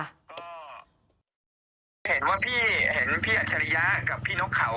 เห็นว่าพี่พี่อัชริยะกับพี่นกเขา